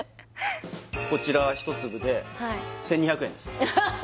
こちらは１粒で１２００円です